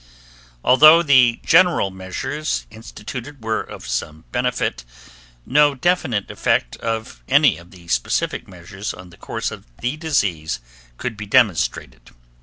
Although the general measures instituted were of some benefit no definite effect of any of the specific measures on the course of the disease could be demonstrated.